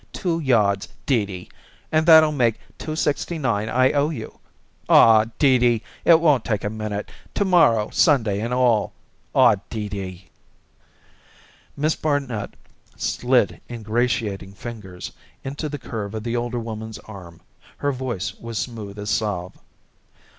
Two yards, Dee Dee, and that'll make two sixty nine I owe you. Aw, Dee Dee, it won't take a minute, to morrow Sunday and all! Aw, Dee Dee!" Miss Barnet slid ingratiating fingers into the curve of the older woman's arm; her voice was smooth as salve.